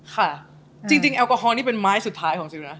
ค่ะจริงแอลกอฮอลนี่เป็นไม้สุดท้ายของซิลนะ